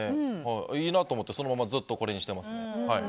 いいなと思ってそのままずっとこれにしてます。